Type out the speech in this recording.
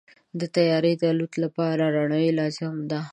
د طیارې د الوت لپاره رنوی لازمي دی.